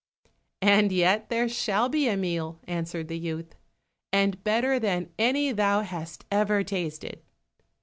"And yet there shall be a meal," answered the youth, "and better than any thou hast ever tasted."